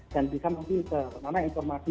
dan bisa mempinter mana informasi